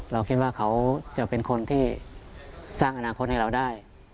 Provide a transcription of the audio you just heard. เราคิดว่าเขาจะเป็นคนที่สร้างอนาคตให้เราได้